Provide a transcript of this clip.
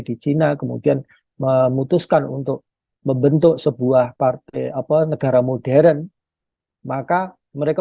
di china kemudian memutuskan untuk membentuk sebuah partai apa negara modern maka mereka